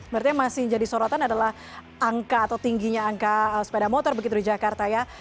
berarti yang masih jadi sorotan adalah angka atau tingginya angka sepeda motor begitu di jakarta ya